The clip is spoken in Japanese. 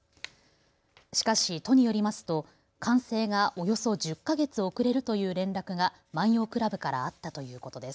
しかし都によりますと完成がおよそ１０か月遅れるという連絡が万葉倶楽部からあったということです。